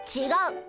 違う。